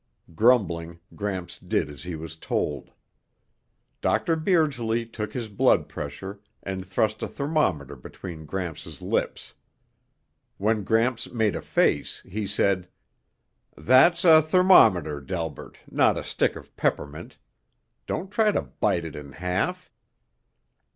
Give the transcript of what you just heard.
Grumbling, Gramps did as he was told. Dr. Beardsley took his blood pressure and thrust a thermometer between Gramps' lips. When Gramps made a face, he said, "That's a thermometer, Delbert, not a stick of peppermint. Don't try to bite it in half."